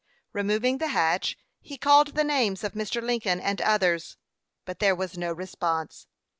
Removing the hatch, he called the names of Mr. Lincoln and others; but there was no response.